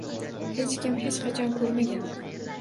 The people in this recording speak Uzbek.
Hech kim hech qachon koʻrmagan